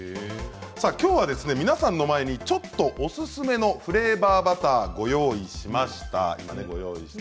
きょうは、皆さんの前にちょっとおすすめのフレーバーバターをご用意しました。